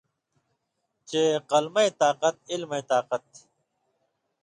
چے قلمَیں طاقت علمَیں طاقت تھی